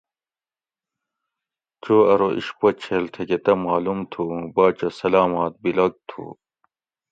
"چو ارو""اِشپوچھیل تھکہ تہ معلوم تھو اُوں باچہ سلامت بیلوگ تھو"